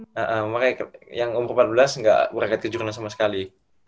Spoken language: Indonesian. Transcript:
iya makanya yang umur empat belas nggak berangkat kejurnas sama sekali